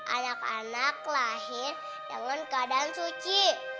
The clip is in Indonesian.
anak anak lahir dengan keadaan suci